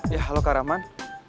ya halo kak rahman